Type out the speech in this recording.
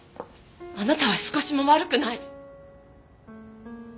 あなたは少しも悪くない。